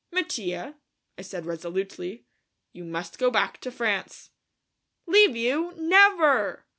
"Mattia," I said resolutely, "you must go back to France." "Leave you? Never!"